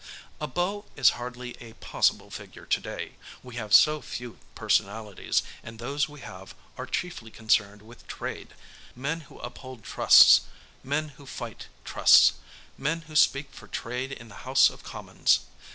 A Beau is hardly a possible figure to day; we have so few personalities, and those we have are chiefly concerned with trade men who uphold trusts, men who fight trusts, men who speak for trade in the House of Commons.